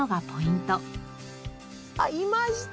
あっいました！